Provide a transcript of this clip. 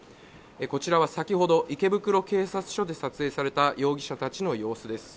こちらは先ほど池袋警察署で撮影された容疑者たちの様子です。